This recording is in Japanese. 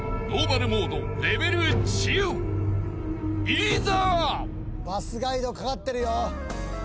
［いざ！］